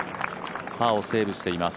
パーをセーブしています。